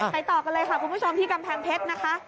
ต่อกันเลยค่ะคุณผู้ชมที่กำแพงเพชรนะคะ